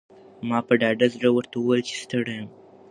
ما په ډاډه زړه ورته وویل چې ستړی یم.